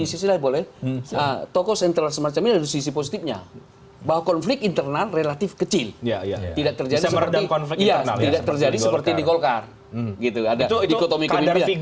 sisi positifnya bahwa konflik internal relatif kecil tidak terjadi seperti